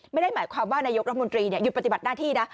ไม่ได้หมายความว่านายกรัฐมนตรีหยุดปฏิบัติหน้าที่นะ